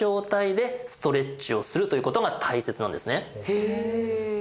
へえ。